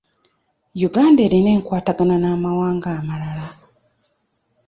Uganda erina enkwatagana n'amawanga amalala.